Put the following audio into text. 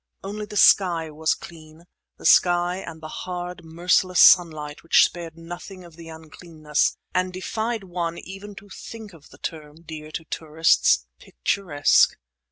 Only the sky was clean; the sky and the hard, merciless sunlight which spared nothing of the uncleanness, and defied one even to think of the term dear to tourists, "picturesque."